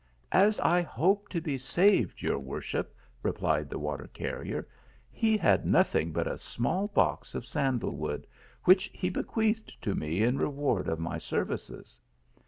" As I hope to be saved, your worship," replied 168 THE ALHAMB1U. the water carrier, " he had nothing but a small box of sandal wood, which he bequeathed to me in re ward of my services."